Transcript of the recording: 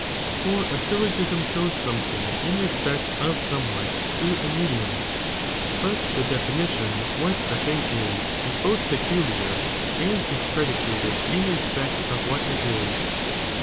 for a syllogiem jresi i)ie iet shows Something in respect of somewhat through """'"■ a medium, but the (definition) what a thing is, ia both peculiar and is predicated in respect of what it is.